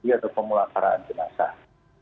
ini adalah pemulaparaan jenazah